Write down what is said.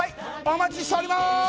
お待ちしております！